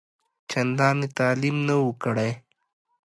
چنداني تعلیم نه وو کړی.